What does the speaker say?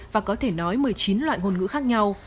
và có thể nói một mươi chín loại ngôn ngữ khác nhau